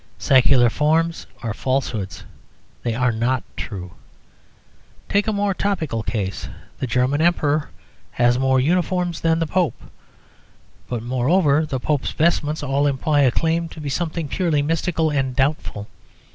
Secular forms are falsehoods; they are not true. Take a more topical case. The German Emperor has more uniforms than the Pope. But, moreover, the Pope's vestments all imply a claim to be something purely mystical and doubtful.